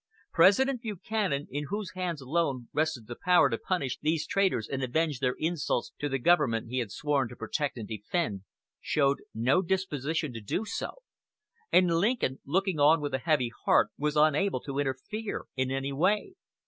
President Buchanan, in whose hands alone rested the power to punish these traitors and avenge their insults to the government he had sworn to protect and defend, showed no disposition to do so; and Lincoln, looking on with a heavy heart, was unable to interfere in any way.